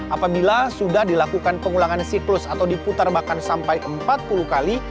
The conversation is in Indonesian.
apabila sudah dilakukan pengulangan siklus atau diputar makan sampai empat puluh kali